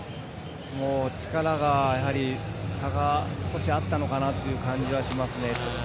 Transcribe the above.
力が、差が少しあったのかなという気はしますね。